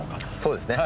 そうですね。